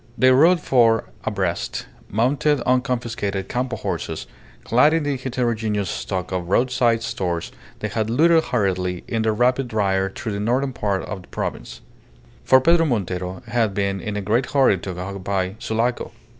They rode four abreast, mounted on confiscated Campo horses, clad in the heterogeneous stock of roadside stores they had looted hurriedly in their rapid ride through the northern part of the province; for Pedro Montero had been in a great hurry to occupy Sulaco.